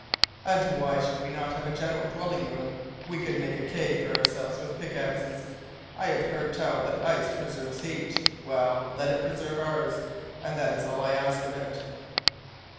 And why should we not have a general dwelling room? We could make a cave for ourselves with pickaxes! I have heard tell that ice preserves heat. Well, let it preserve ours, and that is all I ask of it!"